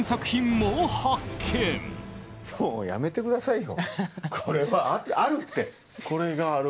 もうやめてくださいよ。